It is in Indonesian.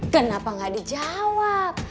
kenapa gak di jawab